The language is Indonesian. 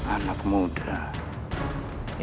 anak muda ini